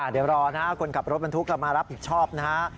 เดี๋ยวรอนะคนขับรถบรรทุกเรามารับผิดชอบนะฮะ